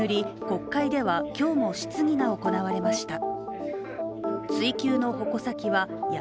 国会では今日も質疑が行われました。